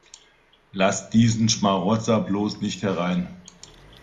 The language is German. Lass diesen Schmarotzer bloß nicht herein!